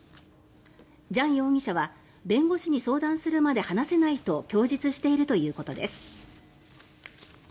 ジャン容疑者は弁護士に相談するまで話せないと供述しているということです。